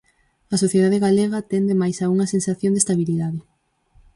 A sociedade galega tende máis a unha sensación de estabilidade.